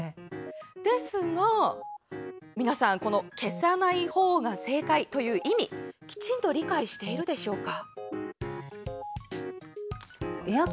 ですが皆さん、この「消さない方が正解」という意味きちんと理解しているでしょうか？